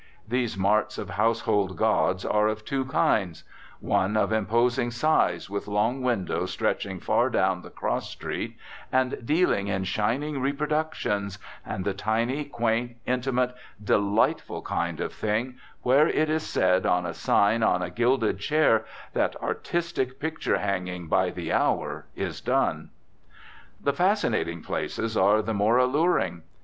These marts of household gods are of two kinds: ones of imposing size, with long windows stretching far down the cross street, and dealing in shining "reproductions," and the tiny, quaint, intimate, delightful kind of thing, where it is said on a sign on a gilded chair that "artistic picture hanging by the hour" is done. The fascinating places are the more alluring.